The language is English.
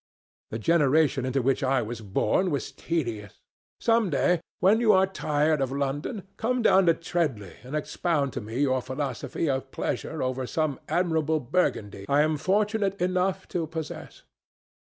The generation into which I was born was tedious. Some day, when you are tired of London, come down to Treadley and expound to me your philosophy of pleasure over some admirable Burgundy I am fortunate enough to possess."